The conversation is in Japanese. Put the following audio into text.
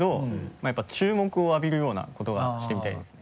まぁやっぱ注目を浴びるようなことがしてみたいですね。